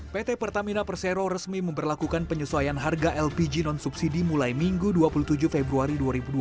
pt pertamina persero resmi memperlakukan penyesuaian harga lpg non subsidi mulai minggu dua puluh tujuh februari dua ribu dua puluh